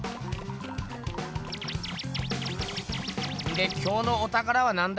で今日のおたからはなんだ？